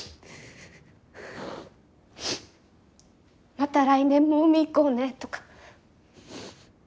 また来年も海行こうねとか。